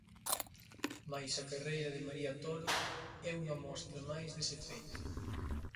Mais a carreira de María Toro é unha mostra máis deste feito.